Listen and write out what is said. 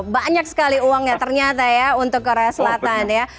banyak sekali uangnya ternyata ya untuk korea selatan ya